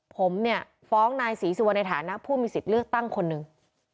ผมเนี่ยฟ้องนายศรีสุวรรณในฐานะผู้มีสิทธิ์เลือกตั้งคนหนึ่ง